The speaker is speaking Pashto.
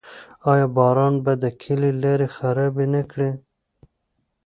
آیا باران به د کلي لارې خرابې نه کړي؟